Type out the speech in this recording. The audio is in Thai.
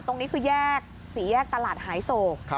ตรงนี้คือแยกสี่แยกตลาดหายโศก